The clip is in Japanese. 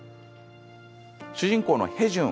主人公のヘジュン。